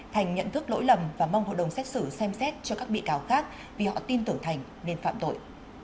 thành nhận thức lỗi lầm và mong hội đồng xét xử xem xét cho các bị cáo khác vì họ tin tưởng thành nên phạm tội